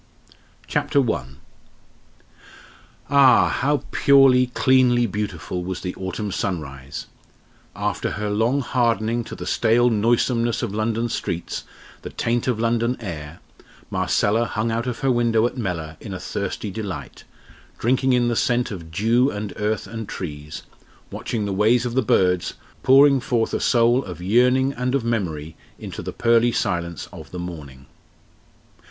CHAPTER I. Ah! how purely, cleanly beautiful was the autumn sunrise! After her long hardening to the stale noisomeness of London streets, the taint of London air, Marcella hung out of her window at Mellor in a thirsty delight, drinking in the scent of dew and earth and trees, watching the ways of the birds, pouring forth a soul of yearning and of memory into the pearly silence of the morning.